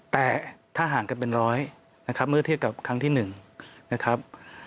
แต่ถ้าห่างกันเป็นร้อยนะครับเมื่อเทียบกับครั้งที่๑นะครับ